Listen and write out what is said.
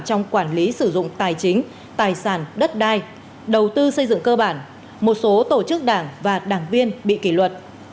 trong quản lý sử dụng tài chính tài sản đất đai đầu tư xây dựng cơ bản một số tổ chức đảng và đảng viên bị kỷ luật